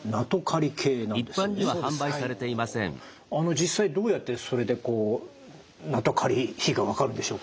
実際どうやってそれでナトカリ比が分かるんでしょうか？